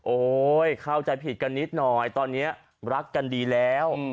เข้าใจผิดกันนิดหน่อยตอนนี้รักกันดีแล้ว